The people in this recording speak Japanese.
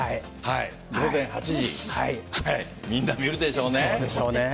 午前８時みんな見るでしょうね。